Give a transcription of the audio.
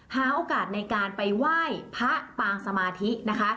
หาโอกาสในการไปไหว้พระปางสมาธินะคะ